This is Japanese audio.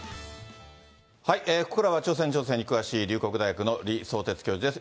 ここからは朝鮮情勢に詳しい龍谷大学の李相哲教授です。